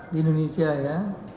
di indonesia ya